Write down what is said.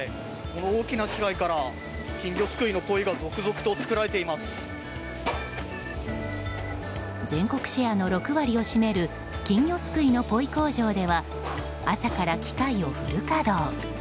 この大きな機械から金魚すくいのポイが全国シェアの６割を占める金魚すくいのポイ工場では朝から機械をフル稼働。